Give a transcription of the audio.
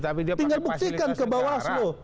tinggal buktikan ke bawaslu